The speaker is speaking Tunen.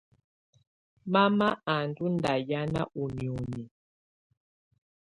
Mama à ndɔ̀ ndà hianà ù nioni.